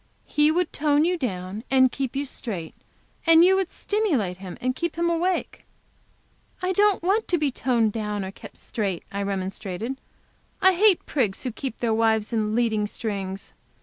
He would tone you down and keep you straight, and you would stimulate him and keep him awake." "I don't want to be toned down or kept straight," I remonstrated. "I hate prigs who keep their wives in leading strings.